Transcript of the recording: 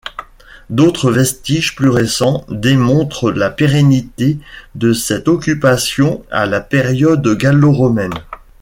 D'autres vestiges plus récents démontrent la pérennité de cette occupation à la période gallo-romaine.